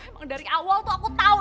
emang dari awal tuh aku tahu